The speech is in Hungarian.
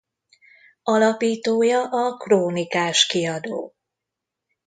Alapítója a Krónikás Kiadó.